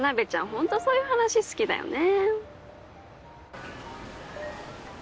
ホントそういう話好きだよね。